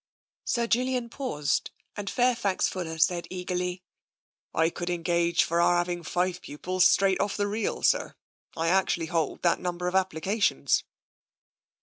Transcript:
Sir Julian paused and Fairfax Fuller said eagerly: " I could engage for our having five pupils, straight off the reel, sir. I actually hold that number of ap plications."